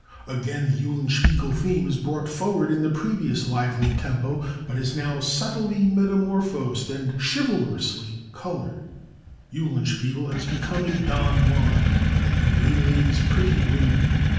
"Again the 'Eulenspiegel' theme is brought forward in the previous lively tempo, but is now subtly metamorphosed and chivalrously colored. Eulenspiegel has become a Don Juan, and he waylays pretty women.